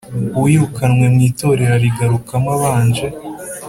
Uwirukanwe mw Itorero arigarukamo abanje